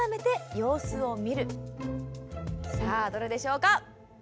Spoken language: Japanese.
さあどれでしょうか？